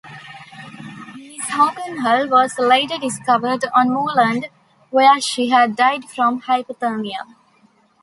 Miss Hockenhull was later discovered on moorland, where she had died from hypothermia.